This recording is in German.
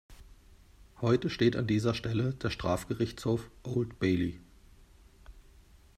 Heute steht an dieser Stelle der Strafgerichtshof „Old Bailey“.